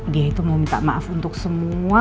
dia itu mau minta maaf untuk semua